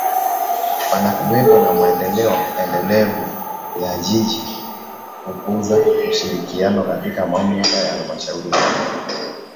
panakuwepo na maendeleo endelevu ya Jiji Kukuza ushirikiano kati ya Mamlaka za Halmashauri zote